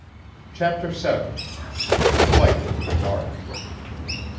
Chapter VII. THE FIGHT IN THE DARK.